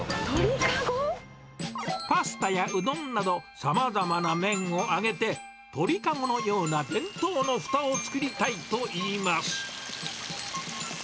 パスタやうどんなど、さまざまな麺を揚げて、鳥かごのような弁当のふたを作りたいといいます。